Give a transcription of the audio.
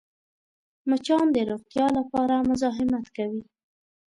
مچان د روغتیا لپاره مزاحمت کوي